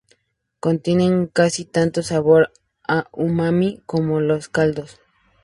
Contiene casi tanto sabor a umami como los caldos.